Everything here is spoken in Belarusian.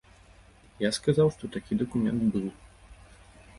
Я сказаў, што такі дакумент быў.